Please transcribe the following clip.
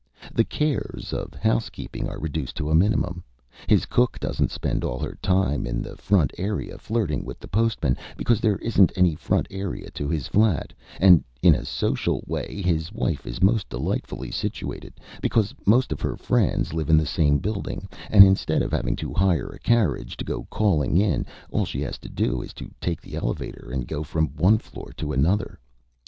The cares of house keeping are reduced to a minimum. His cook doesn't spend all her time in the front area flirting with the postman, because there isn't any front area to his flat; and in a social way his wife is most delightfully situated, because most of her friends live in the same building, and instead of having to hire a carriage to go calling in, all she has to do is to take the elevator and go from one floor to another.